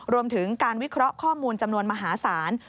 รวมถึงการวิเคราะห์ข้อมูลจำนวนมหาศาล